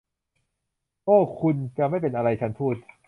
โอ้ คุณจะไม่เป็นอะไร ฉันพูด